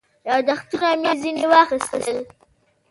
یاداښتونه مې ځنې واخیستل.